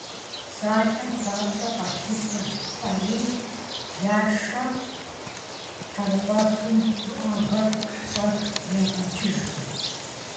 Псалъэм папщӏэ, къалъытэ фӏарийм, блашэм, тхьэрыкъуэфым уӏэгъэр щӏэх ягъэкӏыжу.